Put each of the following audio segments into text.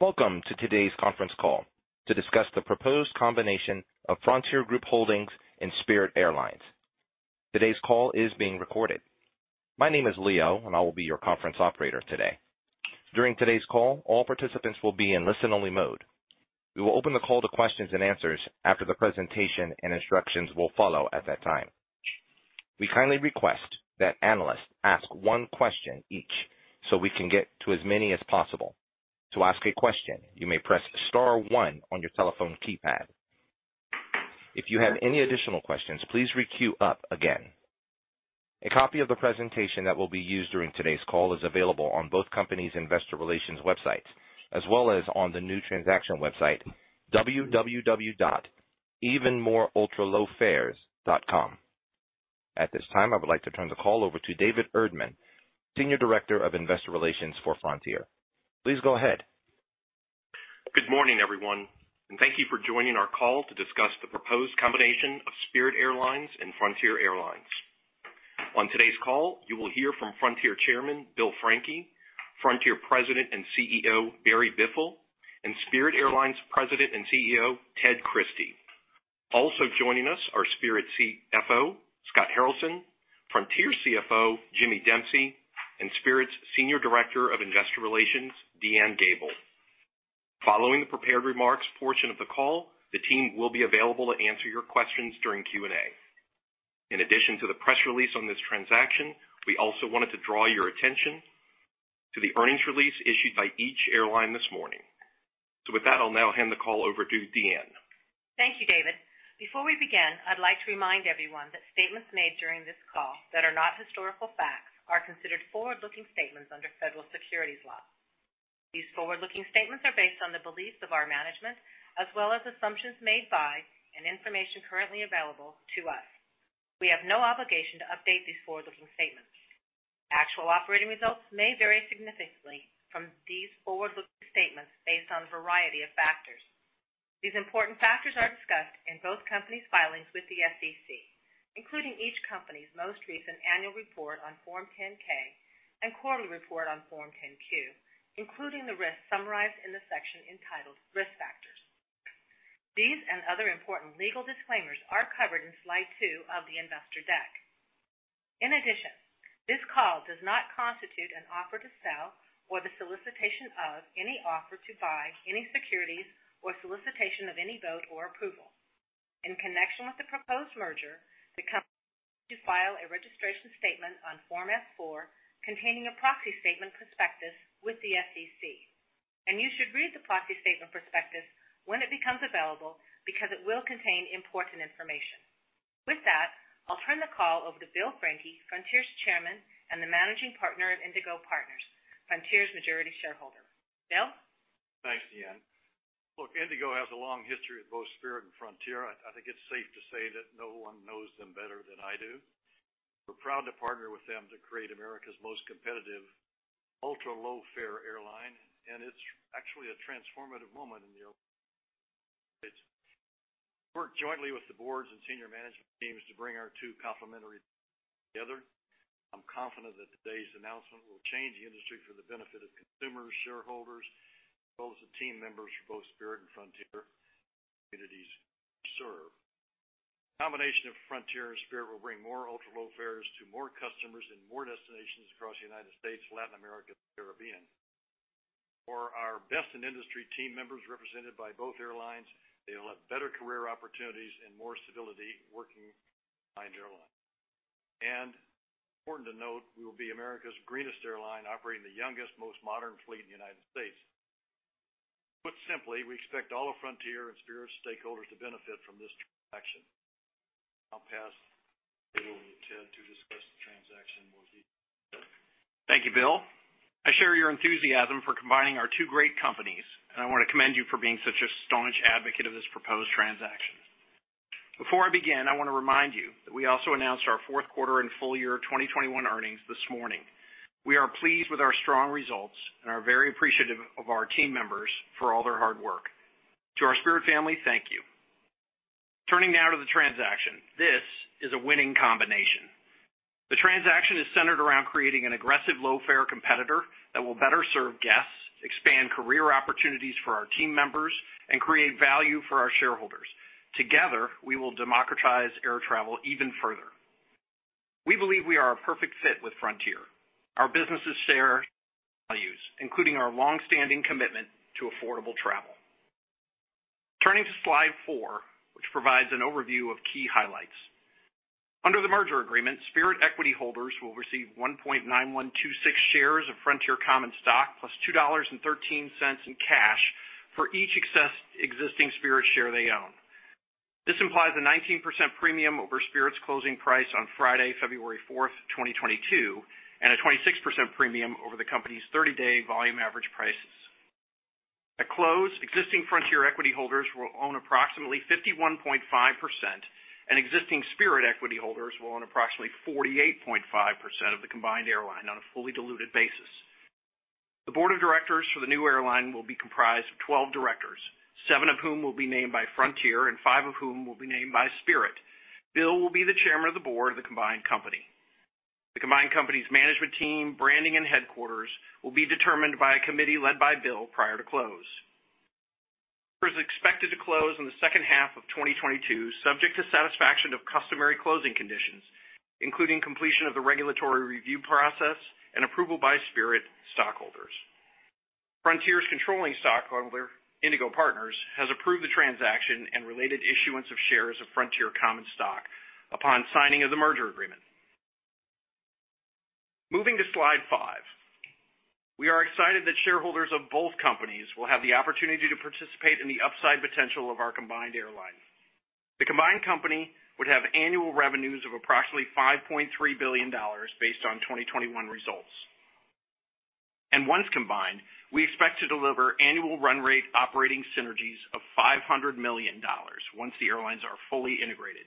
Welcome to today's conference call to discuss the proposed combination of Frontier Group Holdings and Spirit Airlines. Today's call is being recorded. My name is Leo and I will be your conference operator today. During today's call, all participants will be in listen-only mode. We will open the call to questions and answers after the presentation and instructions will follow at that time. We kindly request that analysts ask one question each so we can get to as many as possible. To ask a question, you may press star one on your telephone keypad. If you have any additional questions, please re-queue up again. A copy of the presentation that will be used during today's call is available on both companies' investor relations websites, as well as on the new transaction website www.evenmoreultralowfares.com. At this time, I would like to turn the call over to David Erdmann, Senior Director of Investor Relations for Frontier. Please go ahead. Good morning, everyone, and thank you for joining our call to discuss the proposed combination of Spirit Airlines and Frontier Airlines. On today's call, you will hear from Frontier Chairman, Bill Franke, Frontier President and CEO, Barry Biffle, and Spirit Airlines President and CEO, Ted Christie. Also joining us are Spirit CFO, Scott Haralson, Frontier CFO, Jimmy Dempsey, and Spirit's Senior Director of Investor Relations, DeAnne Gabel. Following the prepared remarks portion of the call, the team will be available to answer your questions during Q&A. In addition to the press release on this transaction, we also wanted to draw your attention to the earnings release issued by each airline this morning. With that, I'll now hand the call over to DeAnne. Thank you, David. Before we begin, I'd like to remind everyone that statements made during this call that are not historical facts are considered forward-looking statements under federal securities laws. These forward-looking statements are based on the beliefs of our management as well as assumptions made by and information currently available to us. We have no obligation to update these forward-looking statements. Actual operating results may vary significantly from these forward-looking statements based on a variety of factors. These important factors are discussed in both companies' filings with the SEC, including each company's most recent annual report on Form 10-K and quarterly report on Form 10-Q, including the risks summarized in the section entitled Risk Factors. These and other important legal disclaimers are covered in slide two of the investor deck. In addition, this call does not constitute an offer to sell or the solicitation of any offer to buy any securities or solicitation of any vote or approval. In connection with the proposed merger, the company is required to file a registration statement on Form S-4 containing a proxy statement prospectus with the SEC. You should read the proxy statement prospectus when it becomes available because it will contain important information. With that, I'll turn the call over to Bill Franke, Frontier's Chairman and the managing partner at Indigo Partners, Frontier's majority shareholder. Bill? Thanks, DeAnne. Look, Indigo has a long history of both Spirit and Frontier. I think it's safe to say that no one knows them better than I do. We're proud to partner with them to create America's most competitive ultra-low fare airline, and it's actually a transformative moment in the airline industry. We work jointly with the boards and senior management teams to bring our two complementary airlines together. I'm confident that today's announcement will change the industry for the benefit of consumers, shareholders, as well as the team members for both Spirit and Frontier communities we serve. The combination of Frontier and Spirit will bring more ultra-low fares to more customers in more destinations across the United States, Latin America, and the Caribbean. For our best-in-industry team members represented by both airlines, they will have better career opportunities and more stability working for the airline. Important to note, we will be America's greenest airline, operating the youngest, most modern fleet in the United States. Put simply, we expect all of Frontier and Spirit stakeholders to benefit from this transaction. I'll pass it over to Ted to discuss the transaction in more detail. Thank you, Bill. I share your enthusiasm for combining our two great companies, and I wanna commend you for being such a staunch advocate of this proposed transaction. Before I begin, I wanna remind you that we also announced our fourth quarter and full year 2021 earnings this morning. We are pleased with our strong results and are very appreciative of our team members for all their hard work. To our Spirit family, thank you. Turning now to the transaction. This is a winning combination. The transaction is centered around creating an aggressive low-fare competitor that will better serve guests, expand career opportunities for our team members, and create value for our shareholders. Together, we will democratize air travel even further. We believe we are a perfect fit with Frontier. Our businesses share values, including our long-standing commitment to affordable travel. Turning to slide four, which provides an overview of key highlights. Under the merger agreement, Spirit equity holders will receive 1.9126 shares of Frontier common stock plus $2.13 in cash for each existing Spirit share they own. This implies a 19% premium over Spirit's closing price on Friday, February 4, 2022, and a 26% premium over the company's thirty-day volume average prices. At close, existing Frontier equity holders will own approximately 51.5%, and existing Spirit equity holders will own approximately 48.5% of the combined airline on a fully diluted basis. The board of directors for the new airline will be comprised of 12 directors, seven of whom will be named by Frontier and five of whom will be named by Spirit. Bill Franke will be the chairman of the board of the combined company. The combined company's management team, branding, and headquarters will be determined by a committee led by Bill Franke prior to close. It is expected to close in the second half of 2022, subject to satisfaction of customary closing conditions, including completion of the regulatory review process and approval by Spirit Airlines stockholders. Frontier's controlling stockholder, Indigo Partners, has approved the transaction and related issuance of shares of Frontier common stock upon signing of the merger agreement. Moving to slide 5. We are excited that shareholders of both companies will have the opportunity to participate in the upside potential of our combined airline. The combined company would have annual revenues of approximately $5.3 billion based on 2021 results. Once combined, we expect to deliver annual run rate operating synergies of $500 million once the airlines are fully integrated.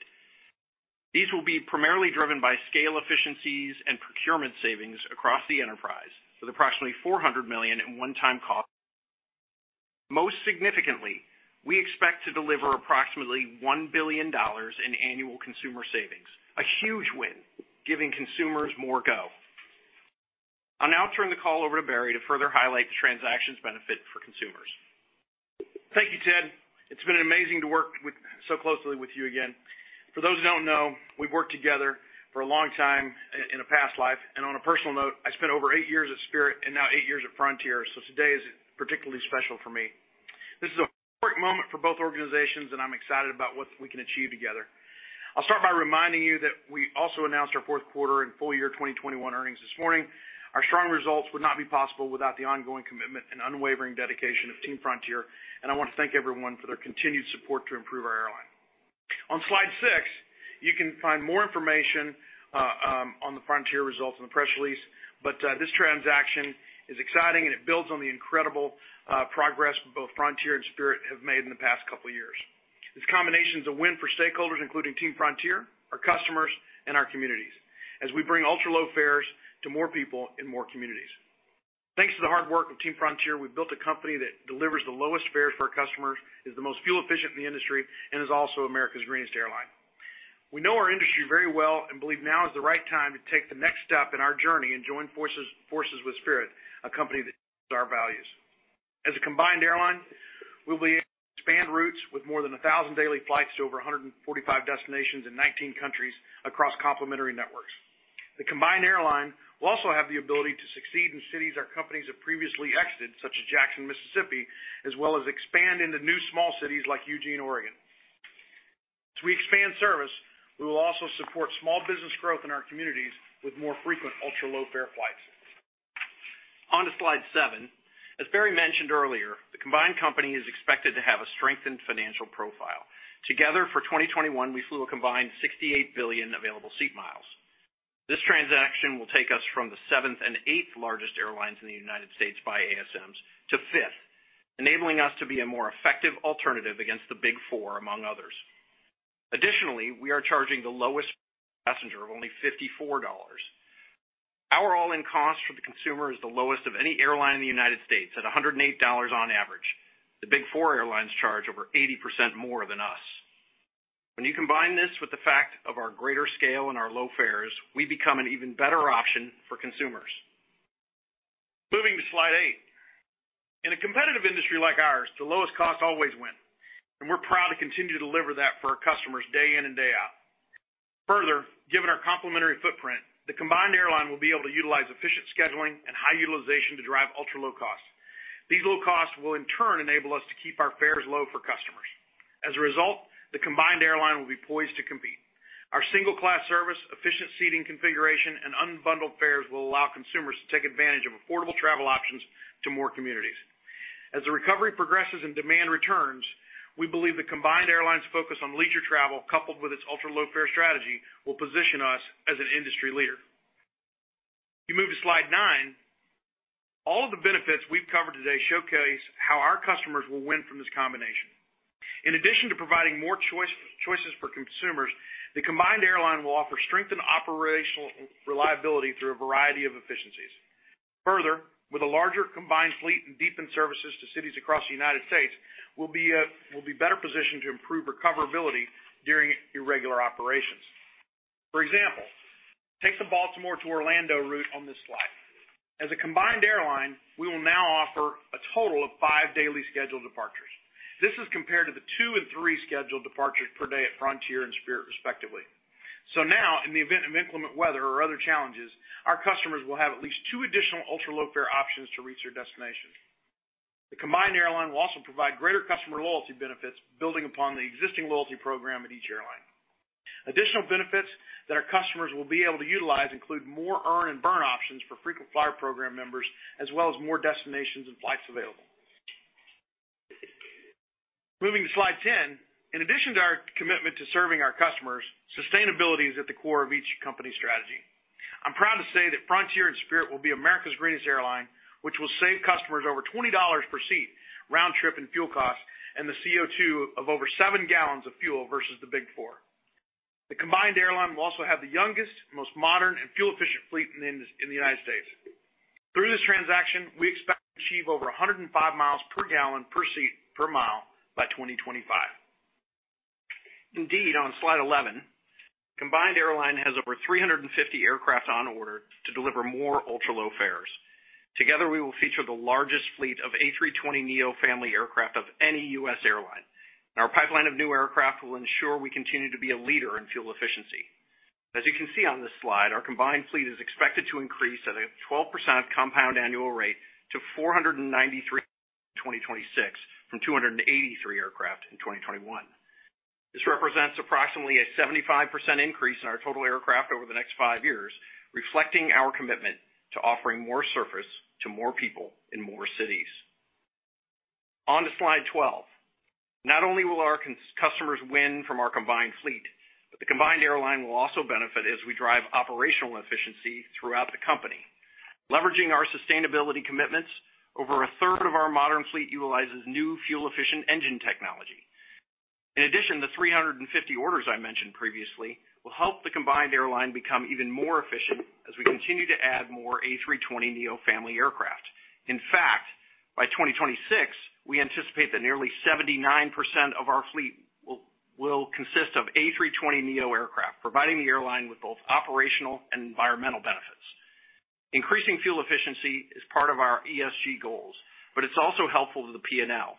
These will be primarily driven by scale efficiencies and procurement savings across the enterprise, with approximately $400 million in one-time costs. Most significantly, we expect to deliver approximately $1 billion in annual consumer savings, a huge win, giving consumers more go. I'll now turn the call over to Barry to further highlight the transaction's benefit for consumers. Thank you, Ted. It's been amazing to work with so closely with you again. For those who don't know, we've worked together for a long time in a past life, and on a personal note, I spent over eight years at Spirit and now eight years at Frontier, so today is particularly special for me. This is a historic moment for both organizations, and I'm excited about what we can achieve together. I'll start by reminding you that we also announced our fourth quarter and full year 2021 earnings this morning. Our strong results would not be possible without the ongoing commitment and unwavering dedication of Team Frontier, and I wanna thank everyone for their continued support to improve our airline. On slide 6, you can find more information on the Frontier results in the press release, but this transaction is exciting, and it builds on the incredible progress both Frontier and Spirit have made in the past couple years. This combination is a win for stakeholders, including Team Frontier, our customers, and our communities as we bring ultra-low fares to more people in more communities. Thanks to the hard work of Team Frontier, we've built a company that delivers the lowest fares for our customers, is the most fuel efficient in the industry, and is also America's Greenest Airline. We know our industry very well and believe now is the right time to take the next step in our journey and join forces with Spirit, a company that shares our values. As a combined airline, we'll be able to expand routes with more than 1,000 daily flights to over 145 destinations in 19 countries across complementary networks. The combined airline will also have the ability to succeed in cities our companies have previously exited, such as Jackson, Mississippi, as well as expand into new small cities like Eugene, Oregon. As we expand service, we will also support small business growth in our communities with more frequent ultra-low fare flights. On to slide seven. As Barry mentioned earlier, the combined company is expected to have a strengthened financial profile. Together for 2021, we flew a combined 68 billion available seat miles. This transaction will take us from the seventh and eighth largest airlines in the United States by ASMs to fifth, enabling us to be a more effective alternative against the Big Four, among others. Additionally, we are charging the lowest fares of only $54. Our all-in cost for the consumer is the lowest of any airline in the United States at $108 on average. The Big Four airlines charge over 80% more than us. When you combine this with the fact of our greater scale and our low fares, we become an even better option for consumers. Moving to slide 8. In a competitive industry like ours, the lowest cost always win, and we're proud to continue to deliver that for our customers day in and day out. Further, given our complementary footprint, the combined airline will be able to utilize efficient scheduling and high utilization to drive ultra-low costs. These low costs will in turn enable us to keep our fares low for customers. As a result, the combined airline will be poised to compete. Our single class service, efficient seating configuration, and unbundled fares will allow consumers to take advantage of affordable travel options to more communities. As the recovery progresses and demand returns, we believe the combined airline's focus on leisure travel coupled with its ultra-low fare strategy will position us as an industry leader. You move to slide 9. All of the benefits we've covered today showcase how our customers will win from this combination. In addition to providing more choice, choices for consumers, the combined airline will offer strengthened operational reliability through a variety of efficiencies. Further, with a larger combined fleet and deepened services to cities across the United States, we'll be better positioned to improve recoverability during irregular operations. For example, take the Baltimore to Orlando route on this slide. As a combined airline, we will now offer a total of five daily scheduled departures. This is compared to the two and three scheduled departures per day at Frontier and Spirit, respectively. Now, in the event of inclement weather or other challenges, our customers will have at least two additional ultra-low fare options to reach their destination. The combined airline will also provide greater customer loyalty benefits, building upon the existing loyalty program at each airline. Additional benefits that our customers will be able to utilize include more earn and burn options for frequent flyer program members, as well as more destinations and flights available. Moving to slide 10. In addition to our commitment to serving our customers, sustainability is at the core of each company's strategy. I'm proud to say that Frontier and Spirit will be America's Greenest Airline, which will save customers over $20 per seat round trip in fuel costs and the CO2 of over 7 gallons of fuel versus the Big Four. The combined airline will also have the youngest, most modern, and fuel-efficient fleet in the United States. Through this transaction, we expect to achieve over 105 miles per gallon per seat per mile by 2025. Indeed, on slide 11, combined airline has over 350 aircraft on order to deliver more ultra-low fares. Together, we will feature the largest fleet of A320neo family aircraft of any U.S. airline. Our pipeline of new aircraft will ensure we continue to be a leader in fuel efficiency. As you can see on this slide, our combined fleet is expected to increase at a 12% compound annual rate to 493 in 2026 from 283 aircraft in 2021. This represents approximately a 75% increase in our total aircraft over the next five years, reflecting our commitment to offering more service to more people in more cities. On to slide 12. Not only will our customers win from our combined fleet, but the combined airline will also benefit as we drive operational efficiency throughout the company. Leveraging our sustainability commitments, over a third of our modern fleet utilizes new fuel efficient engine technology. In addition, the 350 orders I mentioned previously will help the combined airline become even more efficient as we continue to add more A320neo family aircraft. In fact, by 2026, we anticipate that nearly 79% of our fleet will consist of A320neo aircraft, providing the airline with both operational and environmental benefits. Increasing fuel efficiency is part of our ESG goals, but it's also helpful to the P&L,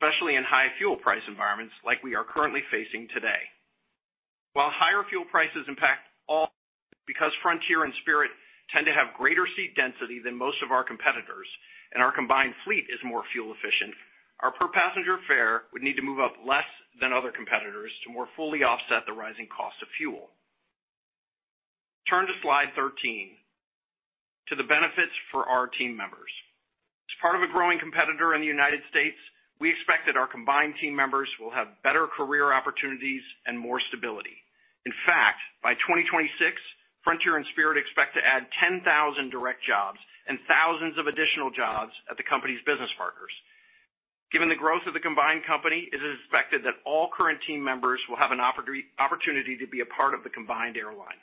especially in high fuel price environments like we are currently facing today. While higher fuel prices impact all, because Frontier and Spirit tend to have greater seat density than most of our competitors, and our combined fleet is more fuel efficient, our per passenger fare would need to move up less than other competitors to more fully offset the rising cost of fuel. Turn to slide 13, to the benefits for our team members. As part of a growing company in the United States, we expect that our combined team members will have better career opportunities and more stability. In fact, by 2026, Frontier and Spirit expect to add 10,000 direct jobs and thousands of additional jobs at the company's business partners. Given the growth of the combined company, it is expected that all current team members will have an opportunity to be a part of the combined airline.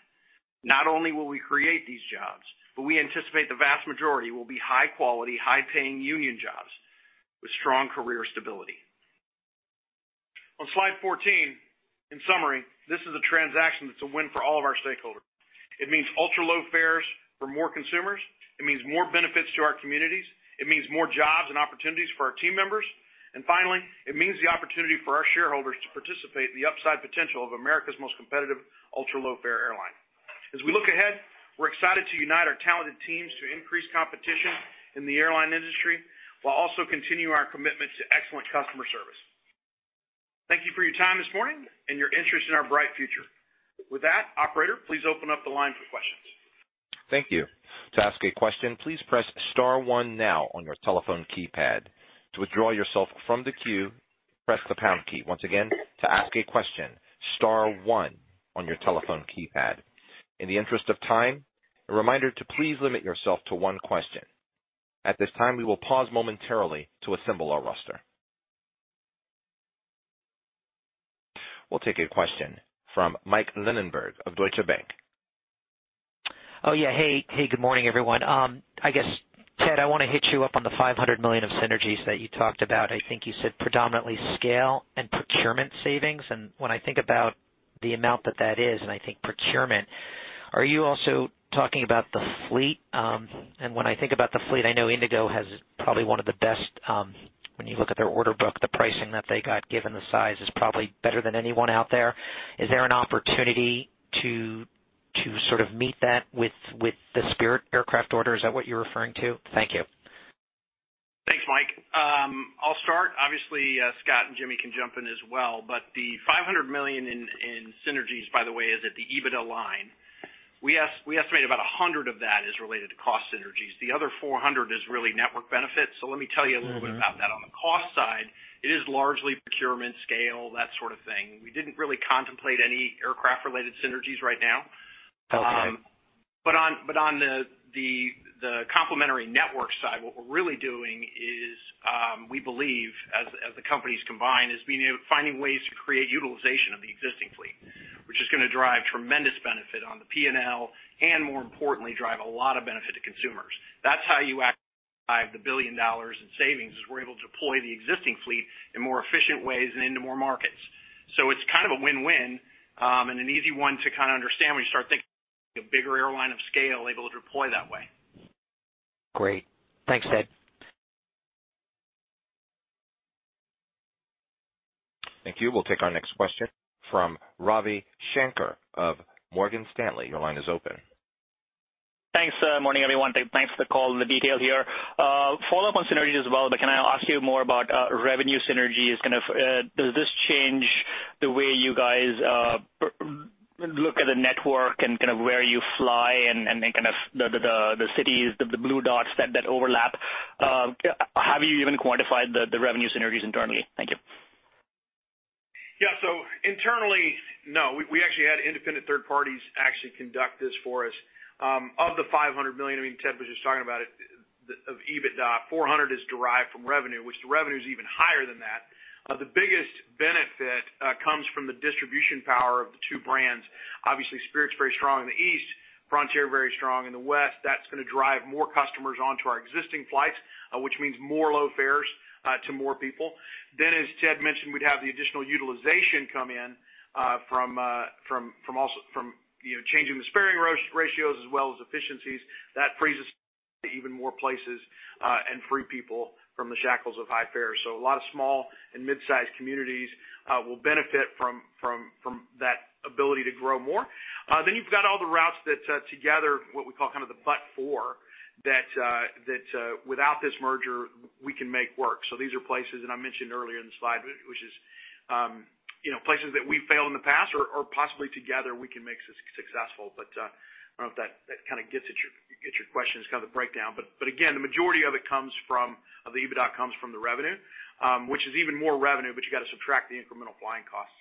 Not only will we create these jobs, but we anticipate the vast majority will be high quality, high paying union jobs with strong career stability. On slide 14, in summary, this is a transaction that's a win for all of our stakeholders. It means ultra-low fares for more consumers. It means more benefits to our communities. It means more jobs and opportunities for our team members. Finally, it means the opportunity for our shareholders to participate in the upside potential of America's most competitive ultra-low fare airline. As we look ahead, we're excited to unite our talented teams to increase competition in the airline industry while also continuing our commitment to excellent customer service. Thank you for your time this morning and your interest in our bright future. With that, operator, please open up the line for questions. We'll take a question from Michael Linenberg of Deutsche Bank. Oh, yeah. Hey. Hey, good morning, everyone. I guess, Ted, I wanna hit you up on the $500 million of synergies that you talked about. I think you said predominantly scale and procurement savings. When I think about the amount that that is and I think procurement, are you also talking about the fleet? When I think about the fleet, I know Indigo has probably one of the best, when you look at their order book, the pricing that they got given the size is probably better than anyone out there. Is there an opportunity to sort of meet that with the Spirit aircraft order? Is that what you're referring to? Thank you. Thanks, Mike. I'll start. Obviously, Scott and Jimmy can jump in as well, but the $500 million in synergies, by the way, is at the EBITDA line. We estimate about 100 of that is related to cost synergies. The other 400 is really network benefits. Let me tell you a little bit about that. On the cost side, it is largely procurement scale, that sort of thing. We didn't really contemplate any aircraft-related synergies right now. Okay. On the complementary network side, what we're really doing is, we believe as the companies combine, finding ways to create utilization of the existing fleet, which is gonna drive tremendous benefit on the P&L and more importantly, drive a lot of benefit to consumers. That's how you actually drive the $1 billion in savings. We're able to deploy the existing fleet in more efficient ways and into more markets. It's kind of a win-win, and an easy one to kinda understand when you start thinking a bigger airline of scale able to deploy that way. Great. Thanks, Ted. Thank you. We'll take our next question from Ravi Shanker of Morgan Stanley. Your line is open. Thanks. Morning, everyone. Thanks for the call and the detail here. Follow-up on synergies as well, but can I ask you more about revenue synergies? Kind of, does this change the way you guys look at the network and kind of where you fly and the cities, the blue dots that overlap? Have you even quantified the revenue synergies internally? Thank you. Yeah. Internally, no. We actually had independent third parties actually conduct this for us. Of the $500 million, I mean, Ted was just talking about it. Of EBITDA, $400 is derived from revenue, which the revenue is even higher than that. The biggest benefit comes from the distribution power of the two brands. Obviously, Spirit's very strong in the East, Frontier very strong in the West. That's gonna drive more customers onto our existing flights, which means more low fares to more people. As Ted mentioned, we'd have the additional utilization come in from, you know, changing the sparing ratios as well as efficiencies that frees us to even more places and free people from the shackles of high fares. A lot of small and mid-sized communities will benefit from that ability to grow more. You've got all the routes that together, what we call kind of the Big Four that without this merger, we can make work. These are places, and I mentioned earlier in the slide, which is, you know, places that we failed in the past or possibly together we can make successful. I don't know if that kind of gets at your questions, kind of the breakdown. Again, the majority of the EBITDA comes from the revenue, which is even more revenue, but you got to subtract the incremental flying costs.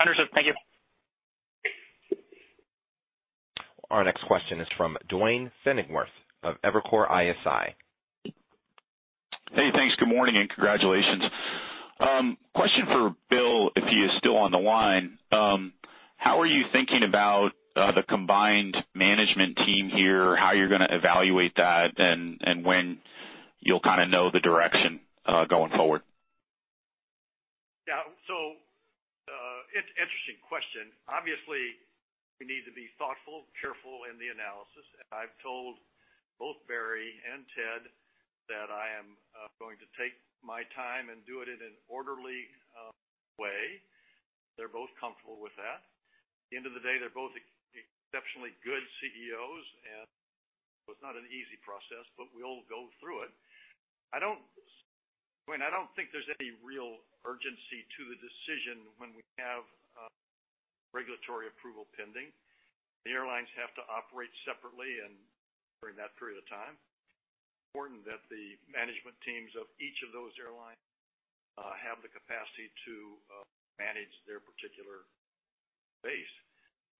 Understood. Thank you. Our next question is from Duane Pfennigwerth of Evercore ISI. Hey, thanks. Good morning, and congratulations. Question for Bill, if he is still on the line. How are you thinking about the combined management team here, how you're gonna evaluate that and when you'll kinda know the direction going forward? It's an interesting question. Obviously, we need to be thoughtful, careful in the analysis. I've told both Barry and Ted that I am going to take my time and do it in an orderly way. They're both comfortable with that. At the end of the day, they're both exceptionally good CEOs, and it's not an easy process, but we'll go through it. I mean, I don't think there's any real urgency to the decision when we have regulatory approval pending. The airlines have to operate separately and during that period of time. It's important that the management teams of each of those airlines have the capacity to manage their particular base.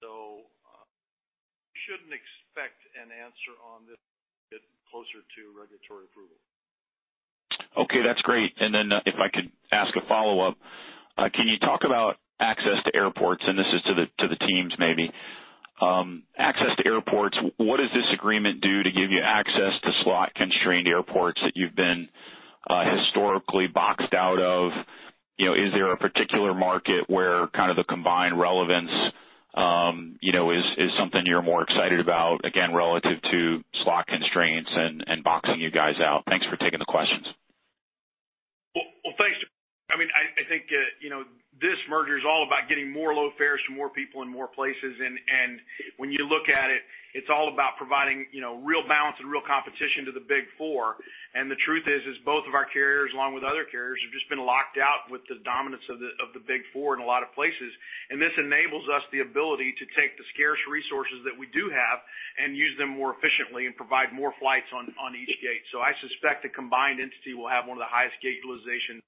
You shouldn't expect an answer on this until a bit closer to regulatory approval. Okay, that's great. If I could ask a follow-up. Can you talk about access to airports, and this is to the teams maybe. Access to airports, what does this agreement do to give you access to slot-constrained airports that you've been historically boxed out of? You know, is there a particular market where kind of the combined relevance, you know, is something you're more excited about, again, relative to slot constraints and boxing you guys out? Thanks for taking the questions. Well, thanks. I mean, I think, you know, this merger is all about getting more low fares to more people in more places. When you look at it's all about providing, you know, real balance and real competition to the Big Four. The truth is both of our carriers, along with other carriers, have just been locked out with the dominance of the Big Four in a lot of places. This enables us the ability to take the scarce resources that we do have and use them more efficiently and provide more flights on each gate. I suspect the combined entity will have one of the highest gate utilization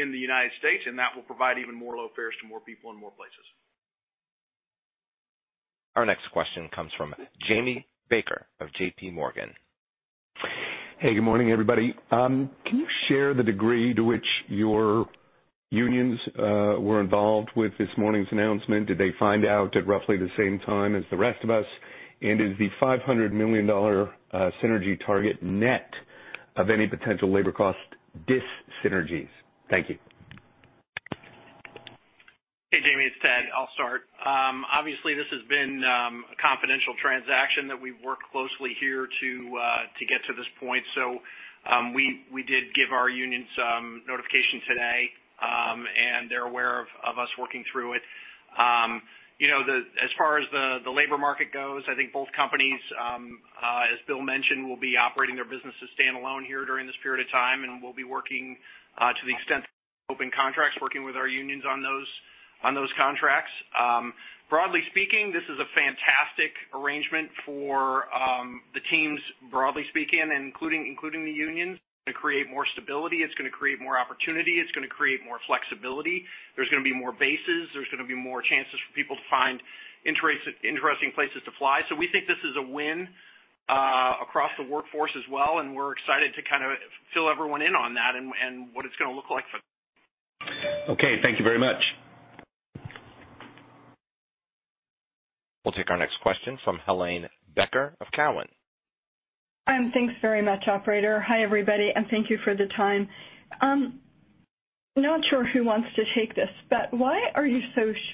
in the United States, and that will provide even more low fares to more people in more places. Our next question comes from Jamie Baker of JP Morgan. Hey, good morning, everybody. Can you share the degree to which your unions were involved with this morning's announcement? Did they find out at roughly the same time as the rest of us? Is the $500 million synergy target net of any potential labor cost dyssynergies? Thank you. Hey, Jamie, it's Ted. I'll start. Obviously, this has been a confidential transaction that we've worked closely here to get to this point. We did give our unions notification today, and they're aware of us working through it. You know, as far as the labor market goes, I think both companies, as Bill mentioned, will be operating their businesses standalone here during this period of time, and we'll be working to the extent open contracts, working with our unions on those contracts. Broadly speaking, this is a fantastic arrangement for the teams, broadly speaking, and including the unions to create more stability. It's gonna create more opportunity. It's gonna create more flexibility. There's gonna be more bases. There's gonna be more chances for people to find interesting places to fly. We think this is a win across the workforce as well, and we're excited to kind of fill everyone in on that and what it's gonna look like for them. Okay, thank you very much. We'll take our next question from Helane Becker of Cowen. Thanks very much, operator. Hi, everybody, and thank you for the time. Not sure who wants to take this, but why are you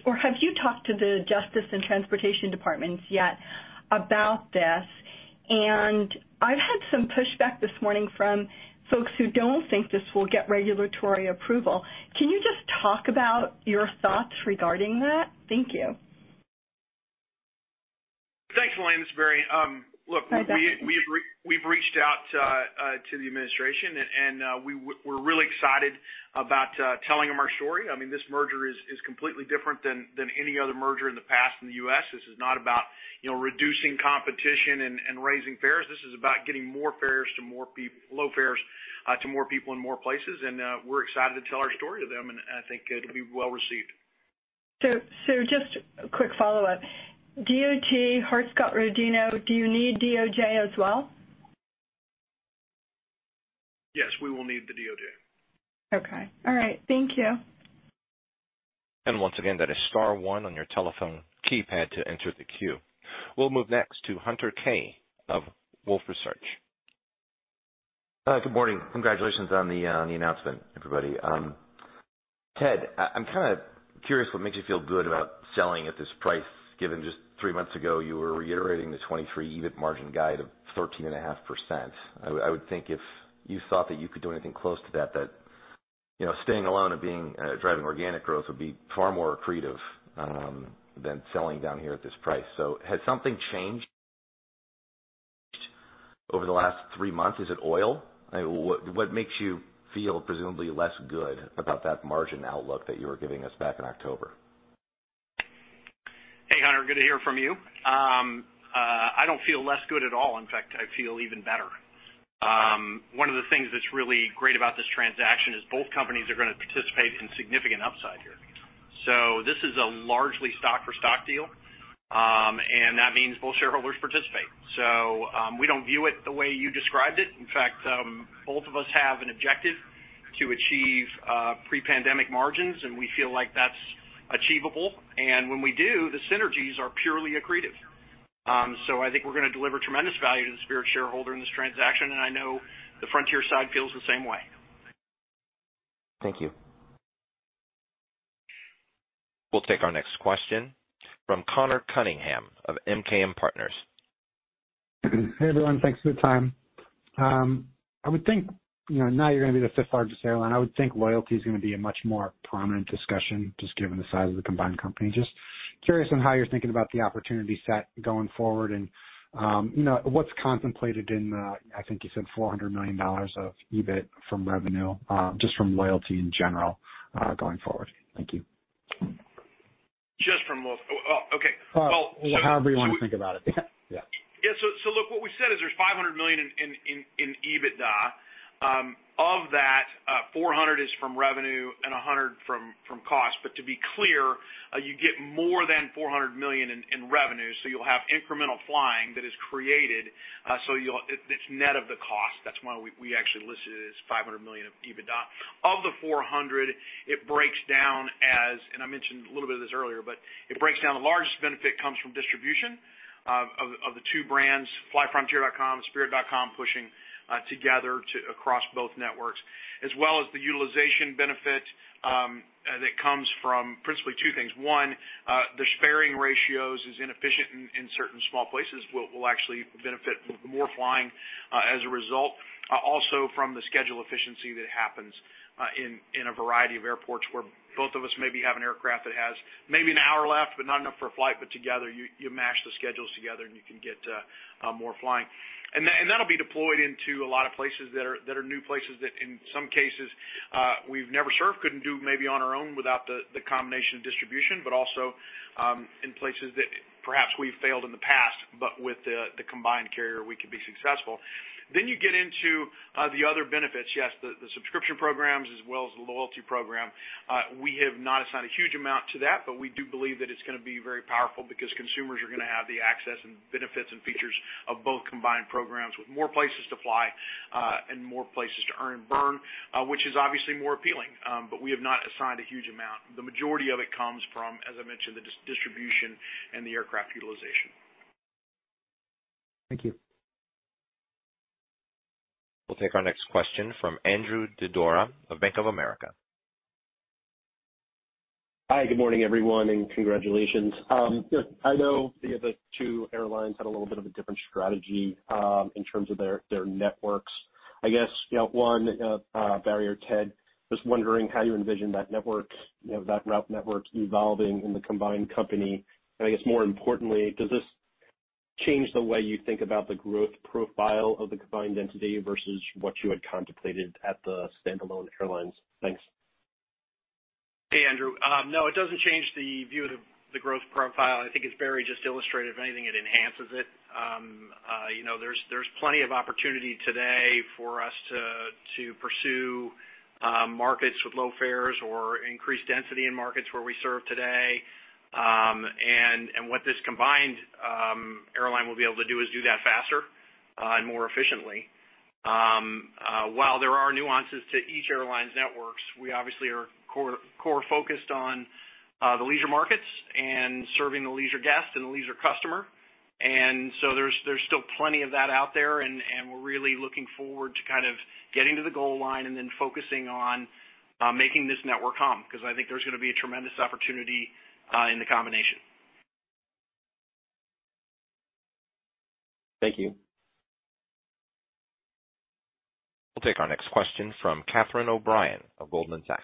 or have you talked to the Justice and Transportation Departments yet about this? I've had some pushback this morning from folks who don't think this will get regulatory approval. Can you just talk about your thoughts regarding that? Thank you. Thanks, Helane. It's Barry. Look, we've reached out to the administration and we're really excited about telling them our story. I mean, this merger is completely different than any other merger in the past in the U.S. This is not about, you know, reducing competition and raising fares. This is about getting more low fares to more people in more places. We're excited to tell our story to them, and I think it'll be well received. Just a quick follow-up. DOT, Hart-Scott-Rodino, do you need DOJ as well? Yes, we will need the DOJ. Okay. All right. Thank you. Once again, that is star one on your telephone keypad to enter the queue. We'll move next to Hunter Keay of Wolfe Research. Good morning. Congratulations on the announcement, everybody. Ted, I'm kinda curious what makes you feel good about selling at this price, given just three months ago you were reiterating the 2023 EBIT margin guide of 13.5%. I would think if you thought that you could do anything close to that, you know, staying alone and driving organic growth would be far more accretive than selling down here at this price. Has something changed over the last three months? Is it oil? I mean, what makes you feel presumably less good about that margin outlook that you were giving us back in October? Hey, Hunter, good to hear from you. I don't feel less good at all. In fact, I feel even better. One of the things that's really great about this transaction is both companies are gonna participate in significant upside here. This is a largely stock for stock deal, and that means both shareholders participate. We don't view it the way you described it. In fact, both of us have an objective to achieve pre-pandemic margins, and we feel like that's achievable. When we do, the synergies are purely accretive. I think we're gonna deliver tremendous value to the Spirit shareholder in this transaction, and I know the Frontier side feels the same way. Thank you. We'll take our next question from Conor Cunningham of MKM Partners. Hey, everyone. Thanks for the time. I would think, you know, now you're gonna be the fifth largest airline. I would think loyalty is gonna be a much more prominent discussion just given the size of the combined company. Just curious on how you're thinking about the opportunity set going forward and, you know, what's contemplated in, I think you said $400 million of EBIT from revenue, just from loyalty in general, going forward. Thank you. Oh, okay. Well. However you wanna think about it. Yeah. Yeah. Look, what we said is there's $500 million in EBITDA. Of that, $400 million is from revenue and $100 million from cost. But to be clear, you get more than $400 million in revenue, so you'll have incremental flying that is created, it's net of the cost. That's why we actually listed it as $500 million of EBITDA. Of the $400 million, it breaks down as, and I mentioned a little bit of this earlier, but it breaks down the largest benefit comes from distribution of the two brands, flyfrontier.com and spirit.com pushing together across both networks, as well as the utilization benefit that comes from principally two things. One, the sparing ratios is inefficient in certain small places will actually benefit with more flying, as a result. Also from the schedule efficiency that happens in a variety of airports where both of us maybe have an aircraft that has maybe an hour left, but not enough for a flight. Together, you mash the schedules together and you can get more flying. That'll be deployed into a lot of places that are new places that in some cases we've never served, couldn't do maybe on our own without the combination of distribution, but also in places that perhaps we've failed in the past, but with the combined carrier, we can be successful. You get into the other benefits. Yes, the subscription programs as well as the loyalty program. We have not assigned a huge amount to that, but we do believe that it's gonna be very powerful because consumers are gonna have the access and benefits and features of both combined programs with more places to fly, and more places to earn and burn, which is obviously more appealing. But we have not assigned a huge amount. The majority of it comes from, as I mentioned, the distribution and the aircraft utilization. Thank you. We'll take our next question from Andrew Didora of Bank of America. Hi, good morning, everyone, and congratulations. I know the other two airlines had a little bit of a different strategy in terms of their networks. I guess, you know, one, Barry or Ted, just wondering how you envision that network, you know, that route network evolving in the combined company. I guess more importantly, does this change the way you think about the growth profile of the combined entity versus what you had contemplated at the standalone airlines? Thanks. Hey, Andrew. No, it doesn't change the view of the growth profile. I think as Barry just illustrated, if anything, it enhances it. You know, there's plenty of opportunity today for us to pursue markets with low fares or increase density in markets where we serve today. What this combined airline will be able to do is do that faster and more efficiently. While there are nuances to each airline's networks, we obviously are core focused on the leisure markets and serving the leisure guest and the leisure customer. There's still plenty of that out there, and we're really looking forward to kind of getting to the goal line and then focusing on making this network hum, because I think there's gonna be a tremendous opportunity in the combination. Thank you. We'll take our next question from Catherine O'Brien of Goldman Sachs.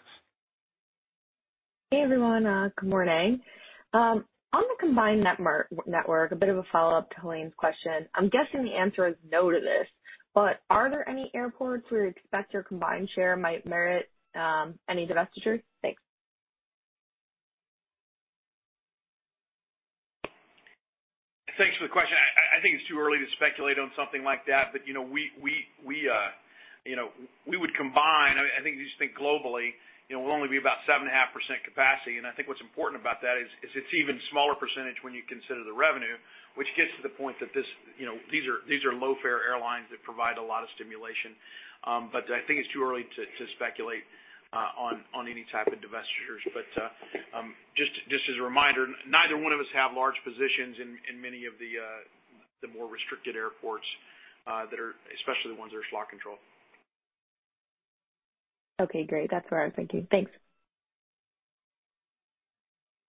Hey, everyone. Good morning. On the combined network, a bit of a follow-up to Helane's question. I'm guessing the answer is no to this, but are there any airports where you expect your combined share might merit any divestitures? Thanks. Thanks for the question. I think it's too early to speculate on something like that. We would combine. I think if you just think globally, you know, we'll only be about 7.5% capacity. I think what's important about that is it's even smaller percentage when you consider the revenue, which gets to the point that, you know, these are low-fare airlines that provide a lot of stimulation. I think it's too early to speculate on any type of divestitures. Just as a reminder, neither one of us have large positions in many of the more restricted airports that are especially the ones that are slot controlled. Okay, great. That's what I was thinking. Thanks.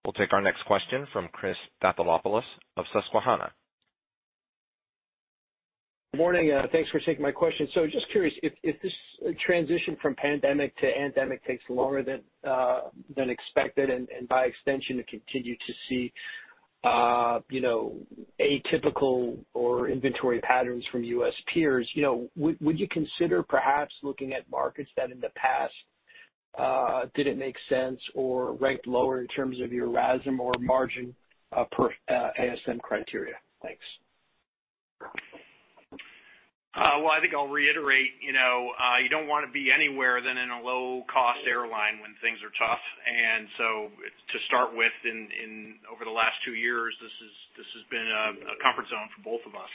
We'll take our next question from Christopher Stathoulopoulos of Susquehanna. Morning. Thanks for taking my question. Just curious, if this transition from pandemic to endemic takes longer than expected, and by extension, you continue to see, you know, atypical or inventory patterns from U.S. peers, you know, would you consider perhaps looking at markets that in the past didn't make sense or ranked lower in terms of your RASM or margin per ASM criteria? Thanks. Well, I think I'll reiterate, you know, you don't wanna be anywhere than in a low-cost airline when things are tough. To start with over the last two years, this has been a comfort zone for both of us.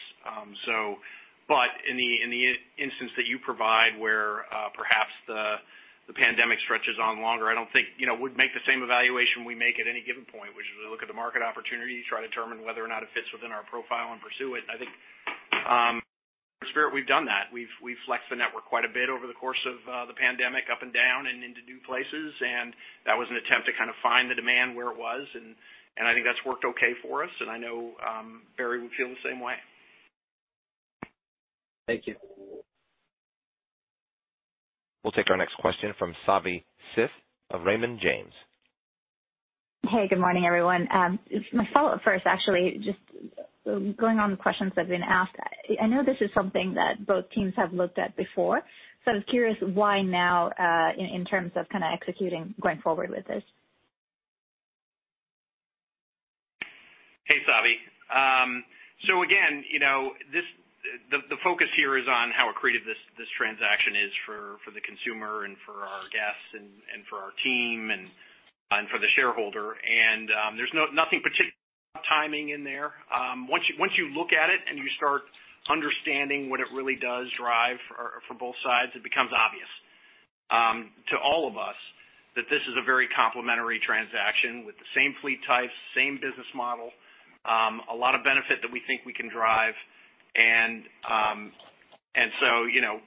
But in the instance that you provide, where perhaps the pandemic stretches on longer, I don't think, you know, we'd make the same evaluation we make at any given point, which is we look at the market opportunity to try to determine whether or not it fits within our profile and pursue it. I think at Spirit, we've done that. We've flexed the network quite a bit over the course of the pandemic up and down and into new places, and that was an attempt to kind of find the demand where it was. I think that's worked okay for us, and I know Barry would feel the same way. Thank you. We'll take our next question from Savanthi Syth of Raymond James. Hey, good morning, everyone. My follow-up first, actually, just going on the questions that have been asked. I know this is something that both teams have looked at before, so I was curious why now, in terms of kind of executing going forward with this? Hey, Savi. Again, you know, the focus here is on how accretive this transaction is for the consumer and for our guests and for our team and for the shareholder. There's nothing particular about timing in there. Once you look at it and you start understanding what it really does drive for both sides, it becomes obvious to all of us that this is a very complementary transaction with the same fleet types, same business model, a lot of benefit that we think we can drive. You know,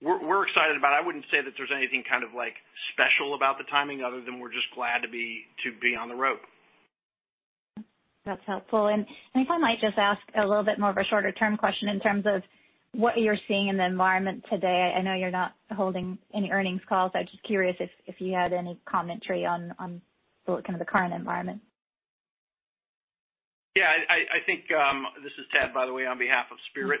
we're excited about it. I wouldn't say that there's anything kind of like special about the timing other than we're just glad to be on the road. That's helpful. If I might just ask a little bit more of a shorter term question in terms of what you're seeing in the environment today. I know you're not holding any earnings calls. I'm just curious if you had any commentary on the kind of the current environment. Yeah. I think. This is Ted, by the way, on behalf of Spirit.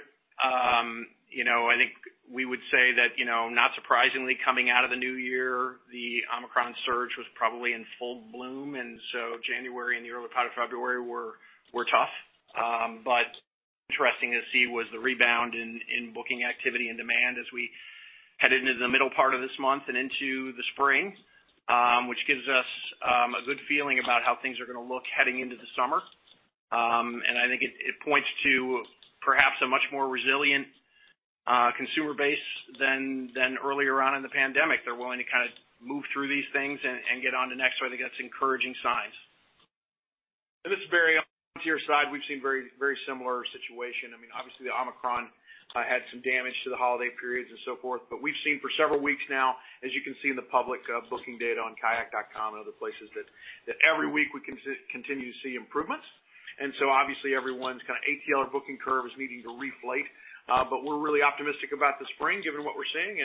You know, I think we would say that, you know, not surprisingly, coming out of the new year, the Omicron surge was probably in full bloom, and so January and the early part of February were tough. Interesting to see was the rebound in booking activity and demand as we headed into the middle part of this month and into the spring, which gives us a good feeling about how things are gonna look heading into the summer. I think it points to perhaps a much more resilient consumer base than earlier on in the pandemic. They're willing to kind of move through these things and get on to next, so I think that's encouraging signs. This is Barry. On to your side, we've seen very, very similar situation. I mean, obviously, the Omicron had some damage to the holiday periods and so forth. We've seen for several weeks now, as you can see in the public booking data on kayak.com and other places, that every week we continue to see improvements. Obviously everyone's kind of ATL or booking curve is needing to reflate. We're really optimistic about the spring given what we're seeing.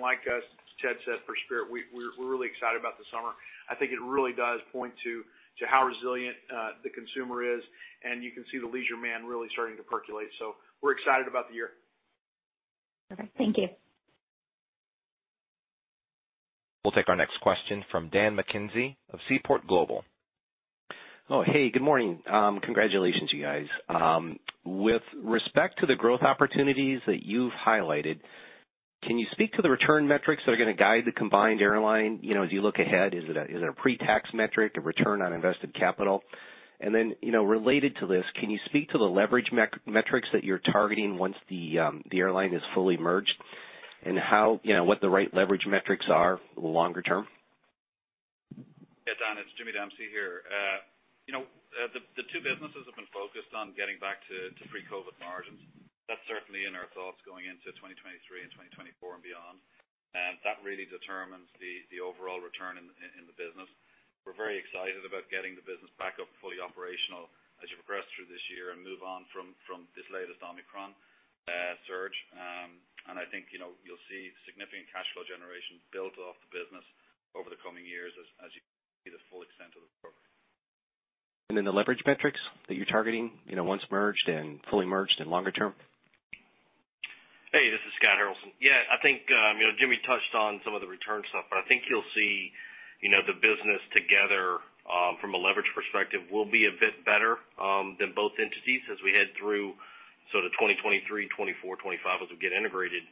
Like Ted said for Spirit, we're really excited about the summer. I think it really does point to how resilient the consumer is, and you can see the leisure demand really starting to percolate. We're excited about the year. Okay. Thank you. We'll take our next question from Dan McKenzie of Seaport Global. Oh, hey, good morning. Congratulations, you guys. With respect to the growth opportunities that you've highlighted, can you speak to the return metrics that are gonna guide the combined airline, you know, as you look ahead? Is it a pre-tax metric, a return on invested capital? You know, related to this, can you speak to the leverage metrics that you're targeting once the airline is fully merged and how, you know, what the right leverage metrics are longer term? Yeah, Dan, it's Jimmy Dempsey here. You know, the two businesses have been focused on getting back to pre-COVID margins. That's certainly in our thoughts going into 2023 and 2024 and beyond. That really determines the overall return in the business. We're very excited about getting the business back up fully operational as you progress through this year and move on from this latest Omicron surge. I think, you know, you'll see significant cash flow generation build off the business over the coming years as you see the full extent of the program. The leverage metrics that you're targeting, you know, once merged and fully merged and longer term? Yeah, I think you know, Jimmy touched on some of the return stuff. I think you'll see you know, the business together from a leverage perspective will be a bit better than both entities as we head through sort of 2023, 2024, 2025 as we get integrated.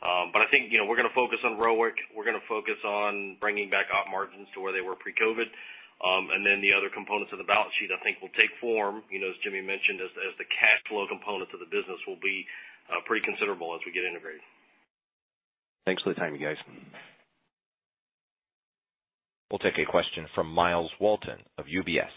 I think you know, we're gonna focus on ROIC. We're gonna focus on bringing back op margins to where they were pre-COVID. The other components of the balance sheet, I think will take form you know, as Jimmy mentioned, as the cash flow components of the business will be pretty considerable as we get integrated. Thanks for the time, you guys. We'll take a question from Myles Walton of UBS.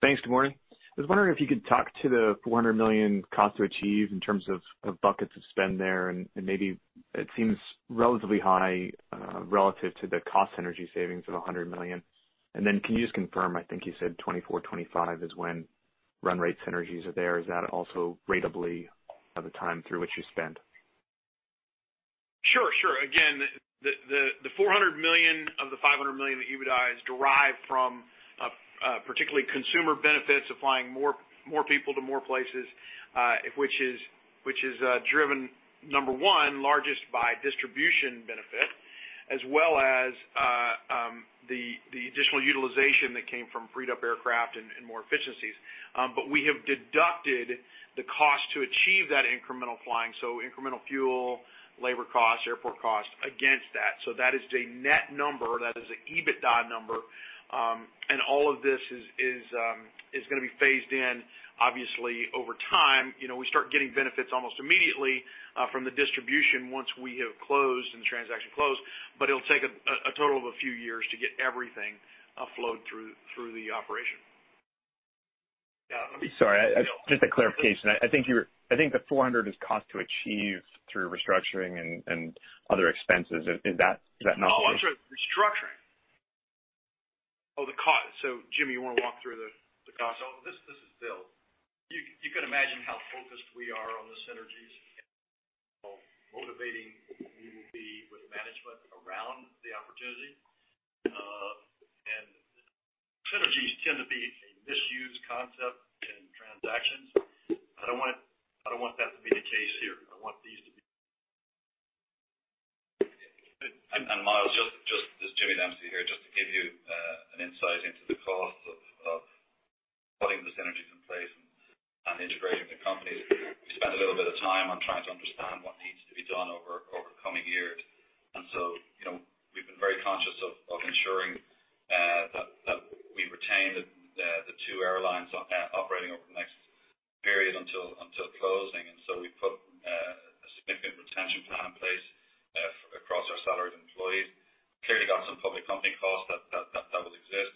Thanks. Good morning. I was wondering if you could talk to the $400 million cost to achieve in terms of buckets of spend there, and maybe it seems relatively high relative to the cost synergy savings of $100 million. Can you just confirm, I think you said 2024-2025 is when run rate synergies are there. Is that also ratably the time through which you spend? Sure, sure. Again, the $400 million of the $500 million that EBITDA is derived from, particularly consumer benefits, applying more people to more places, which is driven, number one, largest by distribution benefit, as well as the additional utilization that came from freed up aircraft and more efficiencies. We have deducted the cost to achieve that incremental flying, so incremental fuel, labor costs, airport costs against that. That is a net number. That is a EBITDA number. All of this is gonna be phased in obviously over time. You know, we start getting benefits almost immediately from the distribution once we have closed and the transaction closed, but it'll take a total of a few years to get everything flowed through the operation. Yeah. Sorry. Just a clarification. I think the $400 is cost to achieve through restructuring and other expenses. Is that not right? I'm sorry. Restructuring. The cost. Jimmy, you wanna walk through the cost? This is Bill. You can imagine how focused we are on the synergies, how motivating we will be with management around the opportunity. Synergies tend to be a misused concept in transactions. I don't want that to be the case here. I want these to be. Myles, just this is Jimmy Dempsey here, just to give you an insight into the cost of putting the synergies in place and integrating the companies. We spent a little bit of time on trying to understand what needs to be done over coming years. You know, we've been very conscious of ensuring that we retain the two airlines operating over the next period until closing. We put a significant retention plan in place across our salaried employees. Clearly got some public company costs that will exist.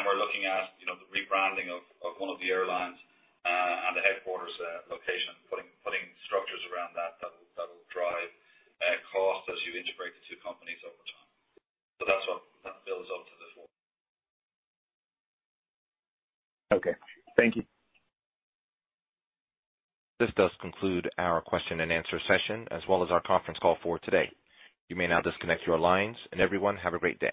We're looking at, you know, the rebranding of one of the airlines and the headquarters location, putting structures around that that will drive costs as you integrate the two companies over time. That's what that builds up to the four. Okay. Thank you. This does conclude our question and answer session, as well as our conference call for today. You may now disconnect your lines, and everyone, have a great day.